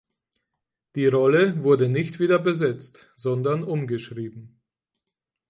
Die Rolle wurde nicht wieder besetzt, sondern umgeschrieben.